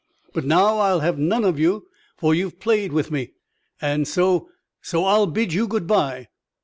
But now I'll have none of you, for you've played with me. And so so I'll bid you good bye!"